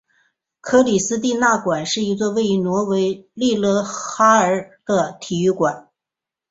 克里斯蒂娜馆是一座位于挪威利勒哈默尔的体育馆。